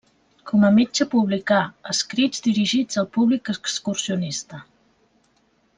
Com a metge, publicà escrits dirigits al públic excursionista.